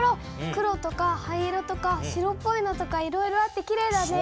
黒とか灰色とか白っぽいのとかいろいろあってきれいだね。